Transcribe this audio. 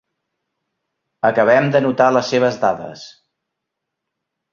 Acabem d'anotar les seves dades.